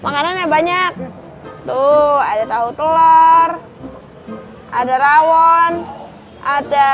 makanannya banyak tuh ada tahu telur ada rawon ada